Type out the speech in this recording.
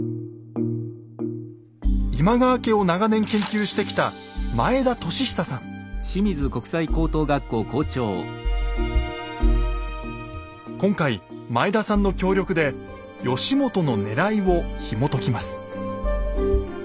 今川家を長年研究してきた今回前田さんの協力で義元のねらいをひもときます。